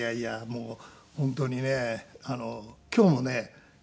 もう本当にね今日もね